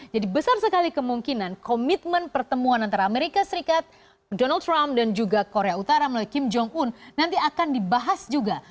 besar sekali kemungkinan komitmen pertemuan antara amerika serikat donald trump dan juga korea utara melalui kim jong un nanti akan dibahas juga